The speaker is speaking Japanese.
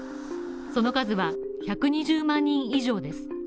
その数は１２０万人以上です